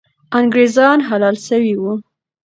انګریزان حلال سوي وو.